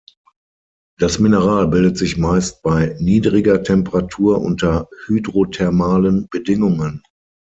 Das Mineral bildet sich meist bei niedriger Temperatur unter hydrothermalen Bedingungen.